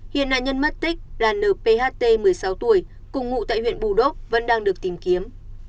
hiện nạn nhân mất tích là n p h t một mươi sáu tuổi cùng ngụ tại huyện bù đốc vẫn đang được tìm kiếm